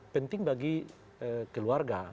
penting bagi keluarga